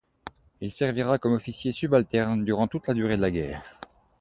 Il servira comme officier subalterne durant toute la durée de la guerre.